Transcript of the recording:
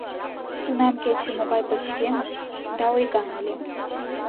Тунам кече могай пычкемыш да ойган ыле!